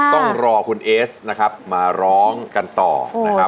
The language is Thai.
ต้องรอคุณเอสนะครับมาร้องกันต่อนะครับ